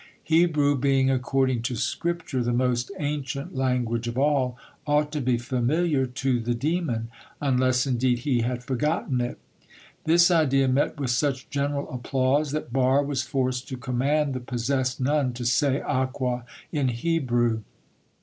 Hebrew being, according to Scripture, the most ancient language of all, ought to be familiar to the demon, unless indeed he had forgotten it. This idea met with such general applause that Barre was forced to command the possessed nun to say aqua in Hebrew.